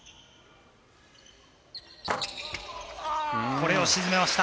これを沈めました。